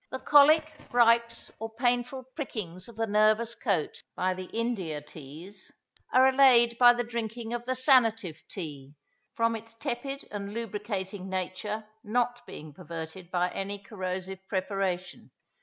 The cholic, gripes, or painful prickings of the nervous coat by the India teas, are allayed by the drinking of the sanative tea, from its tepid and lubricating nature not being perverted by any corrosive preparation.